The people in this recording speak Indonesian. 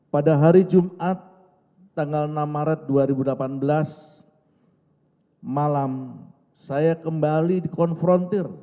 pada hari jumat tanggal enam maret dua ribu delapan belas malam saya kembali dikonfrontir